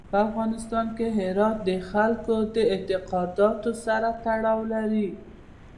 په افغانستان کې هرات د خلکو د اعتقاداتو سره تړاو لري.